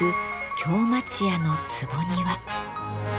京町家の「坪庭」。